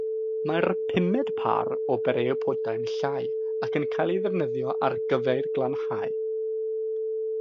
Mae'r pumed pâr o bereiopodau'n llai ac yn cael ei ddefnyddio ar gyfer glanhau.